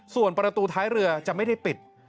ส่วนประตูท้ายเรือจะไม่ได้ปิด